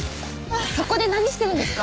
そこで何してるんですか？